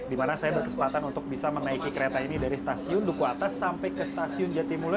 di mana saya berkesempatan untuk bisa menaiki kereta ini dari stasiun duku atas sampai ke stasiun jatimula